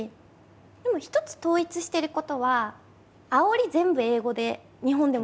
でも一つ統一してることはあおり全部英語で日本でもやってます。